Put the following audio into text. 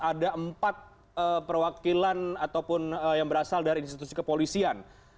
ada empat perwakilan ataupun yang berasal dari institusi kepolisian